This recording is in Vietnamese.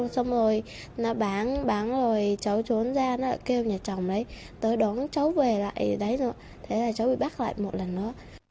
xong rồi nó bán bán rồi cháu trốn ra nó kêu nhà chồng đấy tôi đón cháu về lại đấy nữa thế là cháu bị bắt lại một lần nữa